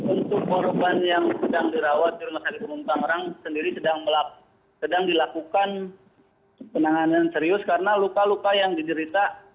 untuk korban yang sedang dirawat di rumah sakit umum tangerang sendiri sedang dilakukan penanganan serius karena luka luka yang diderita